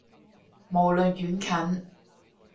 無論遠近